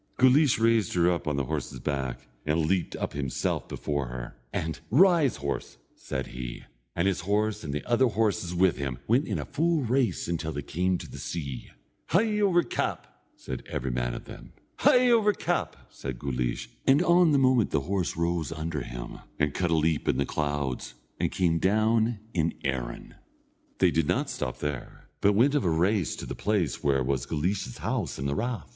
Guleesh raised her up on the horse's back, and leaped up himself before her, and, "Rise, horse," said he; and his horse, and the other horses with him, went in a full race until they came to the sea. "Hie over cap!" said every man of them. "Hie over cap!" said Guleesh; and on the moment the horse rose under him, and cut a leap in the clouds, and came down in Erin. They did not stop there, but went of a race to the place where was Guleesh's house and the rath.